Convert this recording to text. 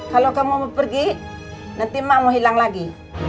kalau kamu mau pergi nanti mak mau hilang lagi